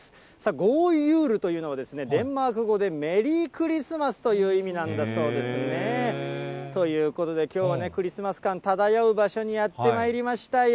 ゴーユールというのはデンマーク語でめりーくりすますという意味なんだそうですね。ということで、きょうはクリスマス感漂う場所にやってまいりましたよ。